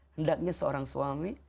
hendaknya seorang suami